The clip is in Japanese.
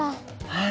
はい。